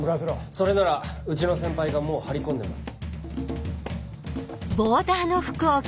それならうちの先輩がもう張り込んでます。